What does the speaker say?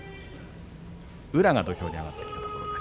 宇良が土俵に上がってきたところです。